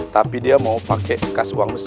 tapi dia mau pakai kas uang besar